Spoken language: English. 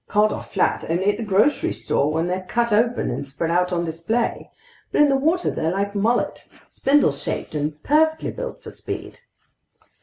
"Cod are flat only at the grocery store, where they're cut open and spread out on display. But in the water they're like mullet, spindle shaped and perfectly built for speed."